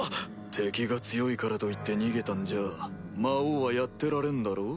敵が強いからといって逃げたんじゃあ魔王はやってられんだろう？